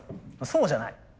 そうじゃない。